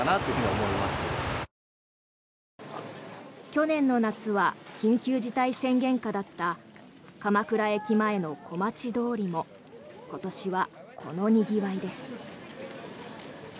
去年の夏は緊急事態宣言下だった鎌倉駅前の小町通りも今年はこのにぎわいです。